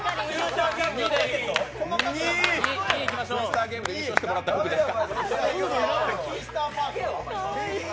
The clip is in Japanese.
「ツイスターゲーム」で優勝してもらった服ですか？